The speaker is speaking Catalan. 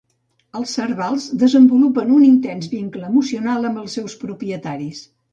Els servals desenvolupen un intens vincle emocional amb els seus propietaris.